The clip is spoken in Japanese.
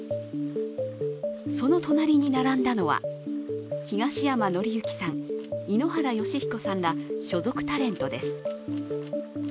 その隣に並んだのは東山紀之さん、井ノ原快彦さんら所属タレントです。